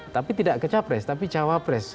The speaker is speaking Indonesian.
tapi tidak ke capres tapi cawapres